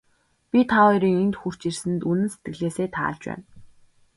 Би та хоёрын энд хүрч ирсэнд үнэн сэтгэлээсээ таалж байна.